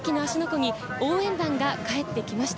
湖に応援団が帰ってきました。